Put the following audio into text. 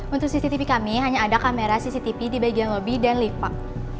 untuk cctv kami hanya ada kamera cctv di bagian lobby dan lift pak